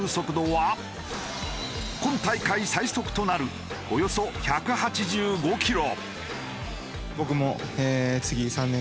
今大会最速となるおよそ１８５キロ。